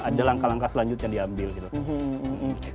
ada langkah langkah selanjutnya diambil gitu